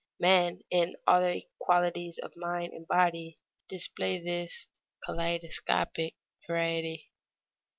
Men in all their qualities of mind and body display this kaleidescopic variety.